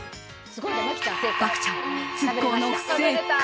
漠ちゃん痛恨の不正解！